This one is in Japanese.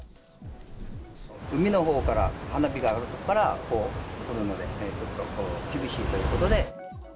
海のほうから花火をするので、ちょっと厳しいということで。